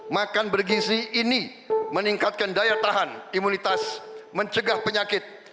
makan bergizi ini meningkatkan daya tahan imunitas mencegah penyakit